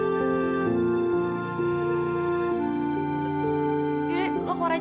ya sudah kamu keluar saja ya